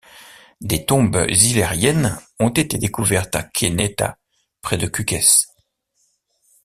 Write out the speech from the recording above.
Des tombes illyriennes ont été découvertes à Këneta, près de Kukës.